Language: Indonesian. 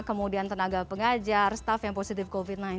kemudian tenaga pengajar staff yang positif covid sembilan belas